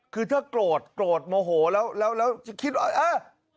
คือถ้าโกรธโกรธโมโหแล้วแล้วจะคิดว่าเออ